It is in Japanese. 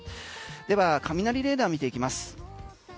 では、雷レーダーを見ていきます。